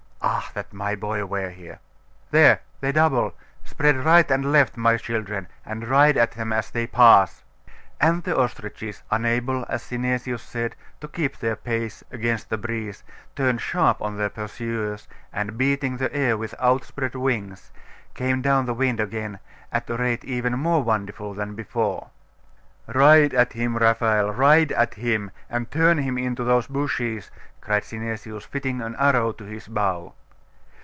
Ah, that my boy were here! There they double. Spread right and left, my children, and ride at them as they pass!' And the ostriches, unable, as Synesius said, to keep their pace against the breeze, turned sharp on their pursuers, and beating the air with outspread wings, came down the wind again, at a rate even more wonderful than before. 'Ride at him, Raphael ride at him, and turn him into those bushes!' cried Synesius, fitting an arrow to his bow.